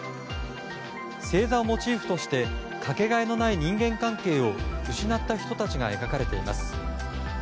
星座をモチーフとしてかけがえのない人間関係を失った人たちが描かれています。